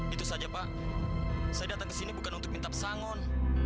itu saja pak saya datang ke sini bukan untuk minta pesangon